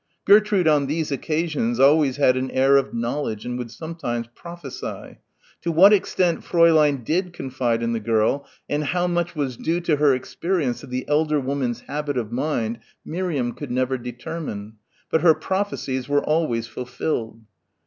Gertrude on these occasions always had an air of knowledge and would sometimes prophesy. To what extent Fräulein did confide in the girl and how much was due to her experience of the elder woman's habit of mind Miriam could never determine. But her prophecies were always fulfilled.